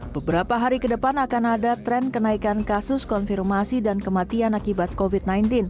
beberapa hari ke depan akan ada tren kenaikan kasus konfirmasi dan kematian akibat covid sembilan belas